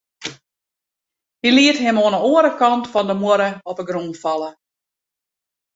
Hy liet him oan 'e oare kant fan de muorre op 'e grûn falle.